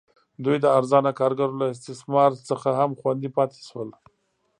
دوی د ارزانه کارګرو له استثمار څخه هم خوندي پاتې شول.